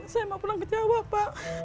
saya mau pulang ke jawa pak